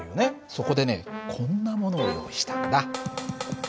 そこでねこんなものを用意したんだ。